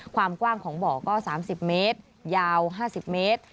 ความกว้างของบ่อก็๓๐เมตรยาว๕๐เมตร